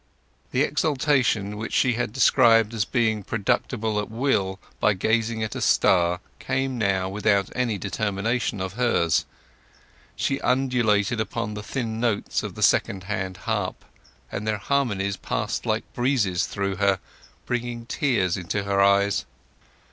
The exaltation which she had described as being producible at will by gazing at a star came now without any determination of hers; she undulated upon the thin notes of the second hand harp, and their harmonies passed like breezes through her, bringing tears into her eyes.